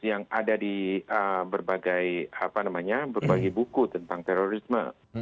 yang ada di berbagai buku tentang terorisme